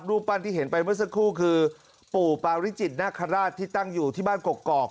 ปั้นที่เห็นไปเมื่อสักครู่คือปู่ปาริจิตนาคาราชที่ตั้งอยู่ที่บ้านกอก